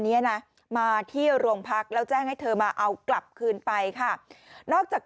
เนี้ยนะมาที่โรงพักแล้วแจ้งให้เธอมาเอากลับคืนไปค่ะนอกจาก